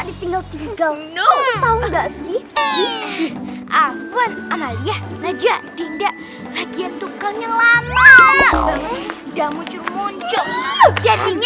ditinggal tinggal no tau enggak sih oven amalia leja dinda lagian tukangnya lama udah muncul muncul